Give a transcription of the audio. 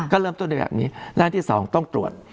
ก็เริ่มต้นในแบบนี้และอันที่๒ต้องตรวจ